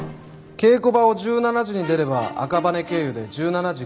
稽古場を１７時に出れば赤羽経由で１７時５５分